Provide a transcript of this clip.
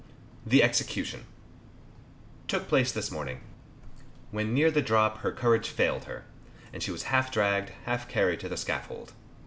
THE EXECUTION Took place this morning. When near the drop her courage failed her, and she was half dragged, half carried to the scaffold.